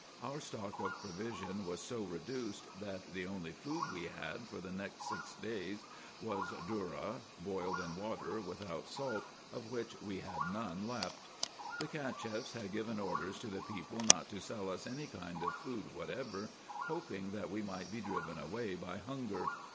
Our stock of provision was so reduced, that the only food we had for the last six days was dhourra, boiled in water without salt, of which we had none left. The Cacheffs had given orders to the people not to sell us any kind of food whatever, hoping that we might be driven away by hunger.